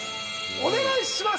お願いします！